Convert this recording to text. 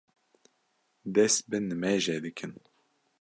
dest bi nimêjê dikin.